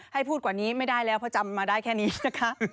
ให้พูดกว่านี้ไม่ได้แล้วเพราะจำมาได้แค่นี้นะคะ